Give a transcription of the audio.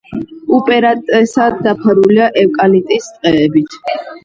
უპირატესად დაფარულია ევკალიპტის ტყეებით.